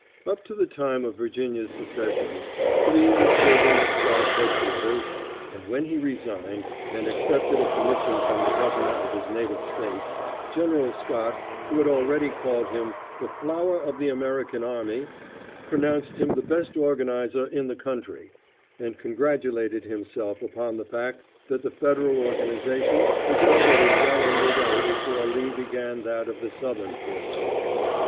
Up to the time of Virginia's secession, Lee was serving at Scott's head quarters, and when he resigned and accepted a commission from the governor of his native State, General Scott, who had already called him "the flower of the American army," pronounced him the best organizer in the country, and congratulated himself upon the fact that the Federal organization was already well under way before Lee began that of the Southern forces.